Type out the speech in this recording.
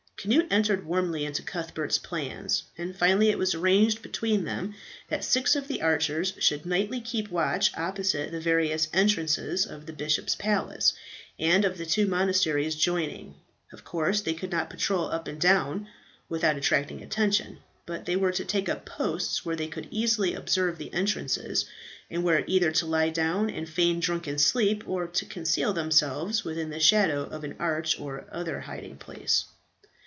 Cnut entered warmly into Cuthbert's plans; and finally it was arranged between them that six of the archers should nightly keep watch opposite the various entrances of the bishop's palace and of the two monasteries joining. Of course they could not patrol up and down without attracting attention, but they were to take up posts where they could closely observe the entrances, and were either to lie down and feign drunken sleep, or to conceal themselves within the shadow of an arch or other hiding place.